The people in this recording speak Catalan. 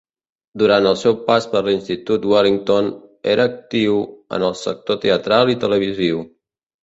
Durant el seu pas per l'institut Wellington, era actiu en el sector teatral i televisiu.